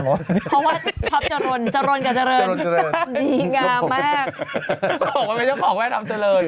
เพราะว่าชอบจรณ์จรณ์กับเจริญ